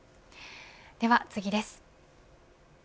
では次です。